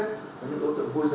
của những cặp vợ chồng hiếm muộn